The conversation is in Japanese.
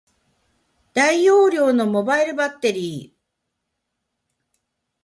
大容量のモバイルバッテリー